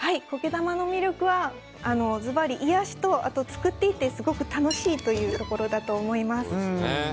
苔玉の魅力はずばり癒やしと作っていてすごく楽しいというところだと思います。